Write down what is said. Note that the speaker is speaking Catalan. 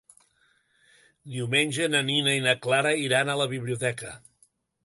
Diumenge na Nina i na Clara iran a la biblioteca.